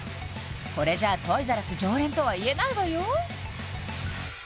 これじゃトイザらス常連とは言えないわよ